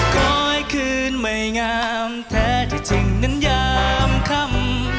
คืนไม่งามแท้ที่จริงนั้นยามค่ำ